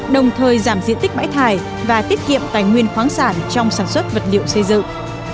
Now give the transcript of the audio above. đồng thời giảm diện tích bãi thải và tiết kiệm tài nguyên khoáng sản trong sản xuất vật liệu xây dựng